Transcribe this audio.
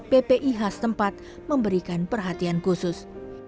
ppi khas tempat memberikan perhatian khusus